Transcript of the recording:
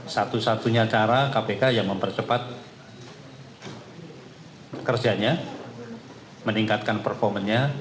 satu satunya cara kpk yang mempercepat kerjanya meningkatkan performanya